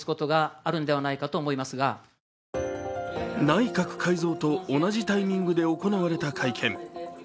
内閣改造と同じタイミングで行われた会見。